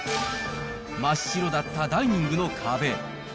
真っ白だったダイニングの壁。